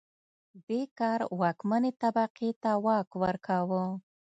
دې کار واکمنې طبقې ته واک ورکاوه